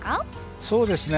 そうですね